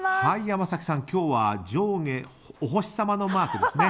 山崎さん、今日は上下お星さまのマークですね。